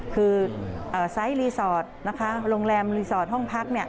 คือไซส์รีสอร์ทนะคะโรงแรมรีสอร์ทห้องพัก